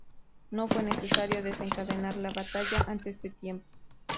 No fue necesario desencadenar la batalla antes de tiempo.